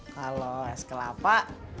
kalo es kelapa